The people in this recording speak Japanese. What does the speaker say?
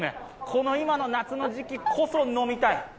この今の夏の時期こそ飲みたい。